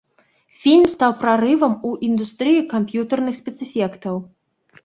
Фільм стаў прарывам у індустрыі камп'ютарных спецэфектаў.